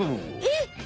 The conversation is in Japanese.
えっ？